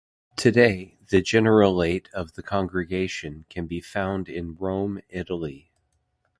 Today, the Generalate of the Congregation can be found in Rome, Italy.